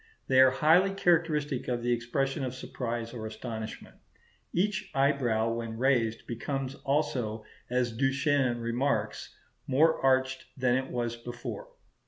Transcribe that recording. They are highly characteristic of the expression of surprise or astonishment. Each eyebrow, when raised, becomes also, as Duchenne remarks, more arched than it was before.